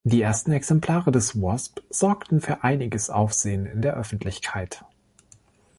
Die ersten Exemplare des Wasp sorgten für einiges Aufsehen in der Öffentlichkeit.